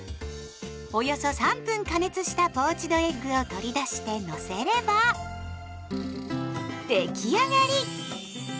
およそ３分加熱したポーチドエッグを取り出してのせれば出来上がり。